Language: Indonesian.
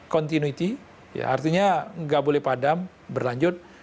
continuity artinya nggak boleh padam berlanjut